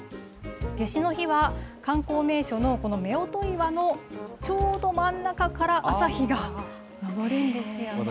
夏至の日は観光名所の、この夫婦岩のちょうど真ん中から朝日が昇るんですよね。